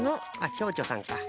ちょうちょさんか。